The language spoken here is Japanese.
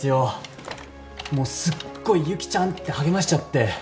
もうすっごい「ゆきちゃん！」って励ましちゃって。